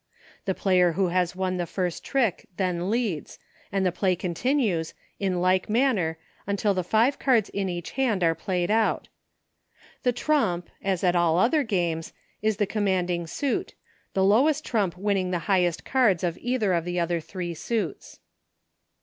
The player who has won the first trick then leads, and the play continues, in like manner, until the five cards in each hand are all played out. The trump, as at all other games, is the commanding suit, the lowest trump winning the highest cards of either of the other three suits.